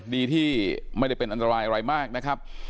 ดีที่ไม่ได้เป็นอันตรายอะไรมากนะครับ